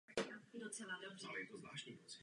Navíc je tu změna klimatu a dezertifikace.